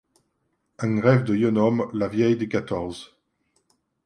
Ung resve de ieune homme Lavieille dix quatorze.